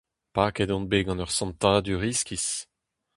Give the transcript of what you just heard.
Paket on bet gant ur santadur iskis.